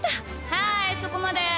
はいそこまで！